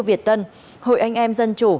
việt tân hội anh em dân chủ